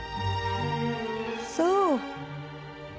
そう。